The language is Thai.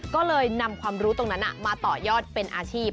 ก็เลยนำความรู้ตรงนั้นมาต่อยอดเป็นอาชีพ